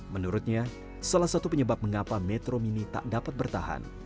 menurutnya salah satu penyebab mengapa metro mini tak dapat bertahan